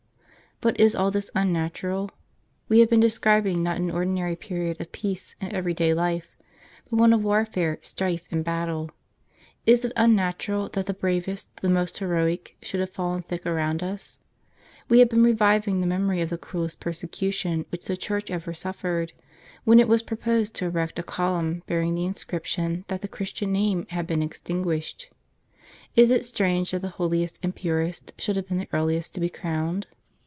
But is all this unnatural? We have been describing not an ordinary period of peace and every day life, but one of warfare, strife, and battle. Is it unnatural that the bravest, the most heroic, should have fallen thick around us ? We have been reviving the memory of the cruellest persecution which the Church ever suffered, when it was proposed to erect a column bearing the inscription that the Christian name had been extinguished. Is it strange that the holiest and purest should have been the earliest to be crowned